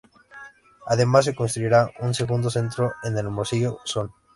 Además se construirá un segundo centro en Hermosillo, Son.